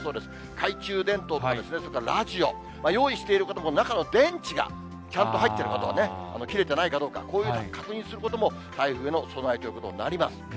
懐中電灯とか、それからラジオ、用意している方も中の電池がちゃんと入っていることを、切れてないかどうか、こういう確認をすることも台風への備えということになります。